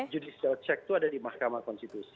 judicial check itu ada di mahkamah konstitusi